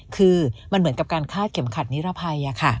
คือมันเหมือนกับการคาดเข็มขัดนิรภัย